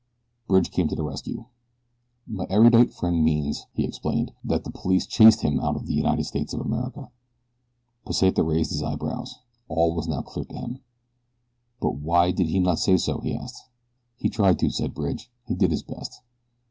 Bridge came to the rescue. "My erudite friend means," he explained, "that the police chased him out of the United States of America." Pesita raised his eyebrows. All was now clear to him. "But why did he not say so?" he asked. "He tried to," said Bridge. "He did his best."